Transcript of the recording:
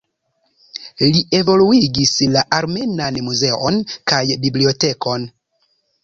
Li evoluigis la armenan muzeon kaj bibliotekon.